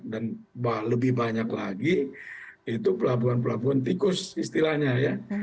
dan lebih banyak lagi itu pelabuhan pelabuhan tikus istilahnya ya